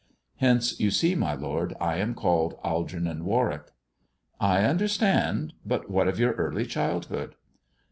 Hence you see, my lord, I am called Algernon Warwick/' "I understand ; but what of your early childhood